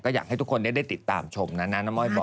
อยากให้ทุกคนได้ติดตามชมนะนะน้ำม่อยบอก